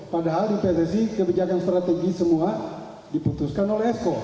padahal di pssi kebijakan strategis semua diputuskan oleh esko